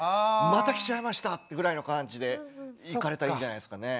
「また来ちゃいました！」ってぐらいの感じで行かれたらいいんじゃないですかね。